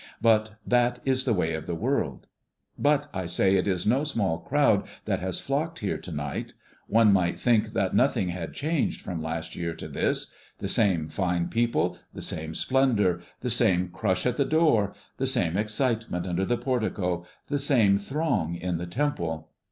But that is the way of the world but, I say, it is no small crowd that has flocked here to night. One might think that nothing had changed from last year to this, the same fine people, the same splendor, the same crush at the door, the same excitement under the portico, the same throng in the temple.